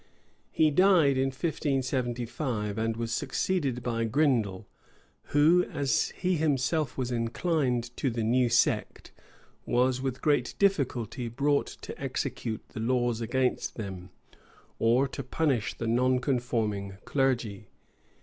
He died in 1575; and was succeeded by Grindal, who, as he himself was inclined to the new sect, was with great difficulty brought to execute the laws against them, or to punish the nonconforming clergy.